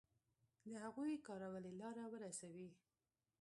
د هغوی کارولې لاره ورسوي.